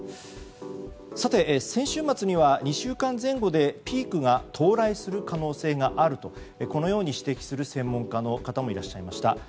さて、先週末には２週間前後でピークが到来する可能性があると指摘する専門家の方もいらっしゃいました。